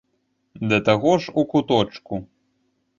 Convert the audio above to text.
Да таго ж у куточку.